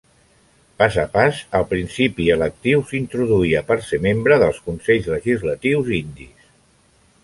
Pas a pas, el principi electiu s'introduïa per ser membre dels consells legislatius indis.